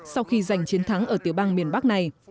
sau khi giành chiến thắng ở tiểu bang miền bắc này